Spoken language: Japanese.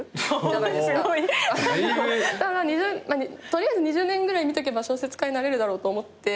とりあえず２０年ぐらいみとけば小説家になれるだろうと思って。